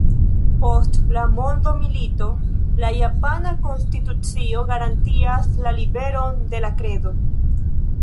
Post la mondomilito la japana konstitucio garantias liberon de la kredo.